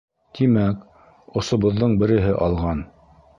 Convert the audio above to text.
Тимәк, особоҙҙоң береһе алған!